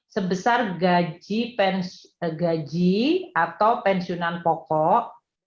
sebesar gaji atau pensiunan pokok